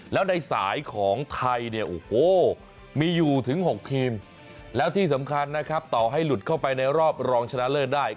แล้วในสายของไทยเนี่ยโอ้โหมีอยู่ถึง๖ทีมแล้วที่สำคัญนะครับต่อให้หลุดเข้าไปในรอบรองชนะเลิศได้